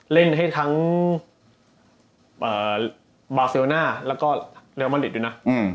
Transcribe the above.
เล่นให้ทั้งบาเซโลน่าแล้วก็เรียลมอนดิสดูนะ